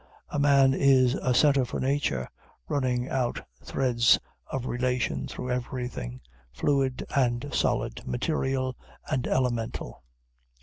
A man is a center for nature, running out threads of relation through everything, fluid and solid, material and elemental.